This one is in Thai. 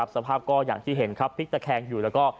สภาพก็อย่างที่เห็นครับพลิกตะแคงอยู่แล้วก็